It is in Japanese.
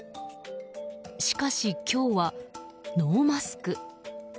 しかし、今日はノーマスク。